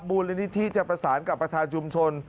มูลนิธิจะประสานกับประธานชุมชน